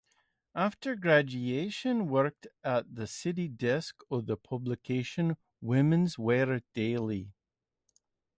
After graduation worked at the city desk of the publication "Women's Wear Daily".